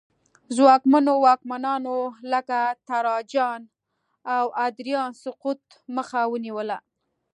ځواکمنو واکمنانو لکه تراجان او ادریان سقوط مخه ونیوله